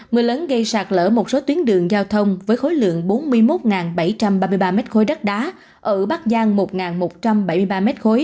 mưa lớn gây sạt lỡ một số tuyến đường giao thông với khối lượng bốn mươi một bảy trăm ba mươi ba m ba đất đá ở bắc giang một một trăm bảy mươi ba m ba